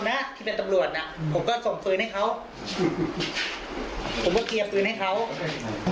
แล้วผมไม่มีเจตนาที่จะยิงสองคนผู้ชายด้วย